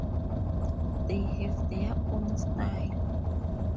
They have their own style.